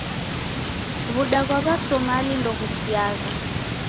W'uda ghwa W'asomali ndoghusiagha.